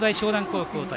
高校対